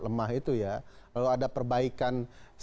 lemah itu ya lalu ada perbaikan